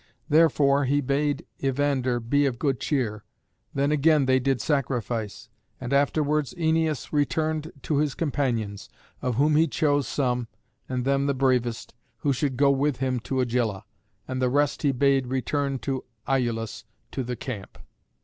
Therefore he bade Evander be of good cheer. Then again they did sacrifice, and afterwards Æneas returned to his companions, of whom he chose some, and them the bravest, who should go with him to Agylla, and the rest he bade return to Iülus, to the camp.